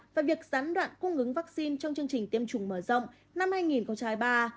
và việc gián đoạn cung ứng vaccine trong chương trình tiêm chủng mở rộng năm con trai ba